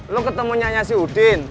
lo ketemu nyanyi si udin